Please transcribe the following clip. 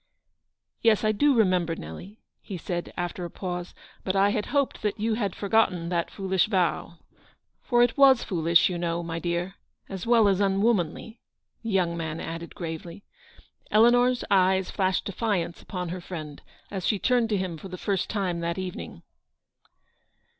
" Yes, I do remember, Nelly," he said, after a pause ;" but I had hoped that you had forgotten that foolish vow. For it was foolish, you know, my dear, as well as unwomanly," the young man added gravely. Eleanor eyes flashed defiance upon her friend, as she turned to him for the first time that evening.